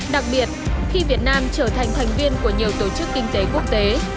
đặc biệt khi việt nam trở thành thành viên của nhiều tổ chức kinh tế quốc tế